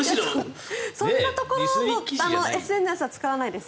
そんなところのＳＮＳは使わないです。